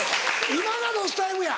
今がロスタイムや！